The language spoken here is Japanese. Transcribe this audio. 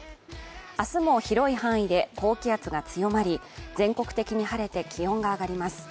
明日も広い範囲で高気圧が強まり、全国的に晴れて気温が上がります。